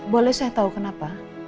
boleh saya tahu kenapa